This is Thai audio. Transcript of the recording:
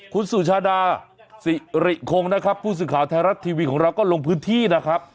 คุณสุชาดาสิริคงนะครับผู้สื่อข่าวไทยรัฐทีวีของเราก็ลงพื้นที่นะครับ